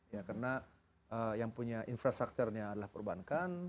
ya karena yang punya infrastrukturnya adalah perbankan